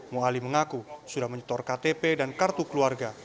muhali mengaku sudah menyetor ktp dan kartu keluarga